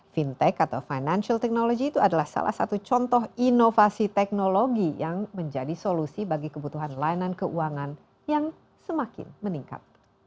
fintech atau financial technology itu adalah salah satu contoh inovasi teknologi yang menjadi solusi bagi kebutuhan layanan keuangan yang semakin meningkat